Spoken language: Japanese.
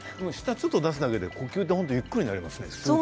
少し出すだけで呼吸がゆっくりになりますね。